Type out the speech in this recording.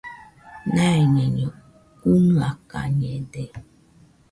Naiñaiño ɨnɨakañede